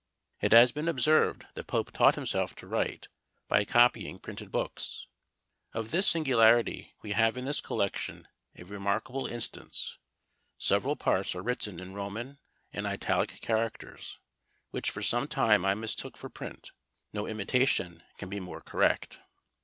It has been observed, that Pope taught himself to write, by copying printed books: of this singularity we have in this collection a remarkable instance; several parts are written in Roman and Italic characters, which for some time I mistook for print; no imitation can be more correct.